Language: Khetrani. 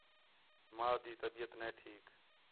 ماں تی طبیعت نَے ٹھیک